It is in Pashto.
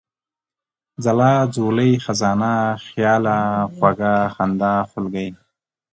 ځلا ، ځولۍ ، خزانه ، خياله ، خوږه ، خندا ، خولگۍ ،